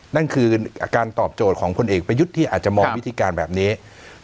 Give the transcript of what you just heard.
นั่นคือการตอบโจทย์ของพลเอกประยุทธ์ที่อาจจะมองวิธีการแบบนี้